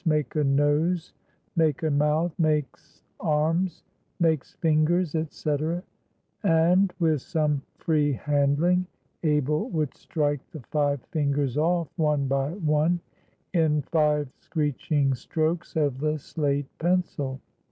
Make a nose. Make a mouth. Make's arms. Make's fingers," etc. And, with some "free handling," Abel would strike the five fingers off, one by one, in five screeching strokes of the slate pencil.